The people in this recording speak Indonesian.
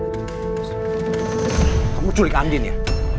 kamu culik andien ya